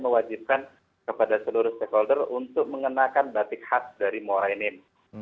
mewajibkan kepada seluruh stakeholder untuk mengenakan batik khas dari muara inim